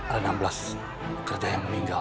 ada enam belas kerja yang meninggal